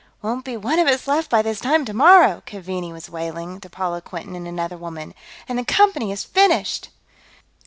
"... won't be one of us left by this time tomorrow," Keaveney was wailing, to Paula Quinton and another woman. "And the Company is finished!"